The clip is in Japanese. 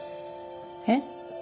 えっ？